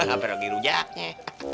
apa lagi rujaknya